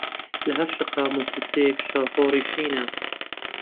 لەهەر شەقام و کووچەیەک شەپۆڕی شینە